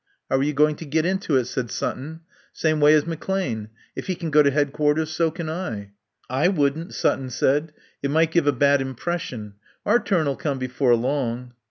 "How are you going to get into it?" said Sutton. "Same way as McClane. If he can go to Head Quarters, so can I." "I wouldn't," Sutton said. "It might give a bad impression. Our turn'll come before long."